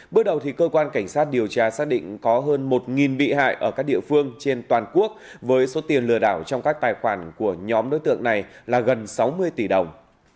bước đầu cơ quan cảnh sát điều tra xác định có hơn một bị hại ở các địa phương trên toàn quốc với số tiền lừa đảo trong các tài khoản của nhóm đối tượng này là gần sáu mươi tỷ đồng